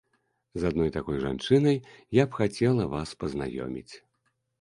З адной такой жанчынай я б хацела вас пазнаёміць.